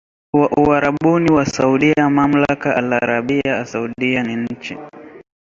wa Uarabuni wa Saudia mamlaka alarabiyya assaaudiyya ni nchi